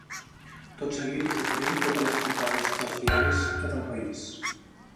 Tot seguit us oferim totes les portades dels diaris del país.